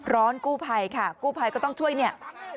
กู้ภัยค่ะกู้ภัยก็ต้องช่วยเนี่ย